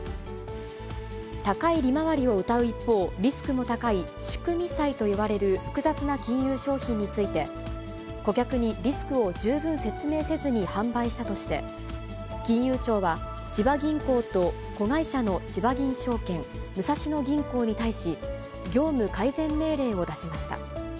高い利回りをうたう一方、リスクも高い仕組み債といわれる複雑な金融商品について、顧客にリスクを十分説明せずに販売したとして、金融庁は千葉銀行と、子会社のちばぎん証券、武蔵野銀行に対し、業務改善命令を出しました。